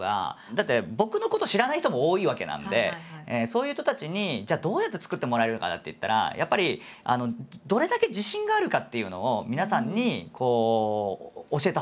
だって僕のこと知らない人も多いわけなんでそういう人たちにじゃあどうやって作ってもらえるかなっていったらやっぱり「どれだけ自信があるか」？